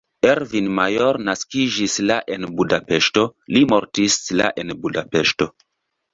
Ervin Major naskiĝis la en Budapeŝto, li mortis la en Budapeŝto.